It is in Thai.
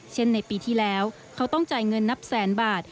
ในปีที่แล้วเขาต้องจ่ายเงินนับแสนบาท